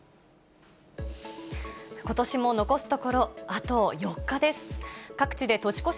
ことしも残すところあと４日です。